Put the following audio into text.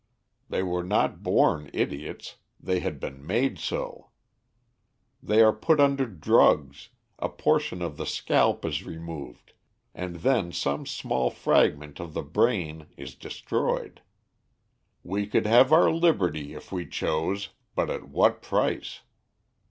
"They were not born idiots; they had been made so. They are put under drugs, a portion of the scalp is removed, and then some small fragment of the brain is destroyed. We could have our liberty if we chose, but at what price!